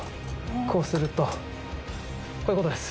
こうするとこういうことです。